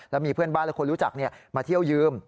แล้วมีเพื่อนบ้านและคนรู้จักมาเที่ยวยืม